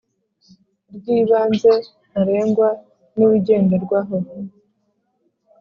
Ry ibanze ntarengwa n ibigenderwaho